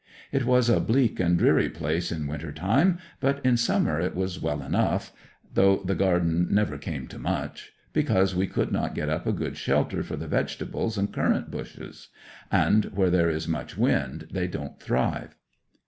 It was a bleak and dreary place in winter time, but in summer it was well enough, though the garden never came to much, because we could not get up a good shelter for the vegetables and currant bushes; and where there is much wind they don't thrive.